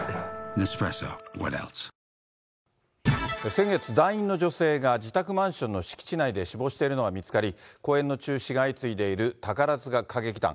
先月、団員の女性が自宅マンションの敷地内で死亡しているのが見つかり、公演の中止が相次いでいる宝塚歌劇団。